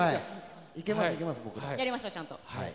やりましょう、ちゃんと。